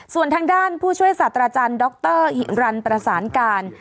ส่วนทางด้านผู้ช่วยศาสตราจารย์ดรหิรันประสานการ